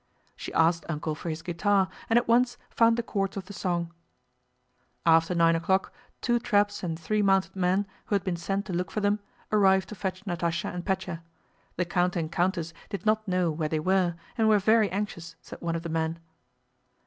She asked "Uncle" for his guitar and at once found the chords of the song. After nine o'clock two traps and three mounted men, who had been sent to look for them, arrived to fetch Natásha and Pétya. The count and countess did not know where they were and were very anxious, said one of the men.